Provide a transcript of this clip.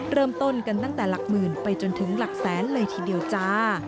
เริ่มต้นกันตั้งแต่หลักหมื่นไปจนถึงหลักแสนเลยทีเดียวจ้า